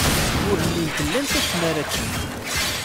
Ur llint lant acemma ara ččent.